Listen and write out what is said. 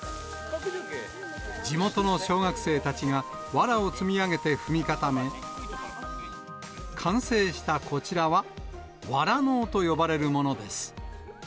地元の小学生たちがわらを積み上げて踏み固め、完成したこちらは、藁のうと呼ばれるものです。